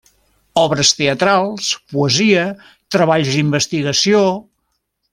Obres teatrals, poesia, treballs d'investigació.